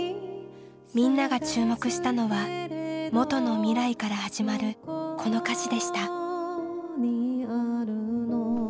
みんなが注目したのは「元の未来」から始まるこの歌詞でした。